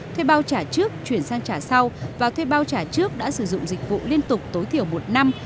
thuê bao trả trước chuyển sang trả sau và thuê bao trả trước đã sử dụng dịch vụ liên tục tối thiểu một năm